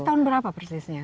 ini tahun berapa persisnya